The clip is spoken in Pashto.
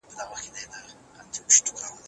بله مشهوره خبره د کرفس په اړه ده.